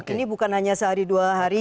ini bukan hanya sehari dua hari